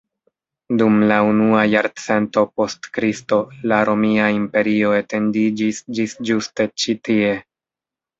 Dum la unua jarcento post Kristo la romia imperio etendiĝis ĝis ĝuste ĉi tie.